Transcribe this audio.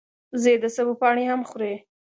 وزې د سبو پاڼې هم خوري